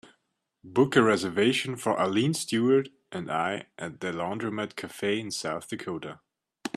Book a reservation for arlene stewart and I at The Laundromat Cafe in South Dakota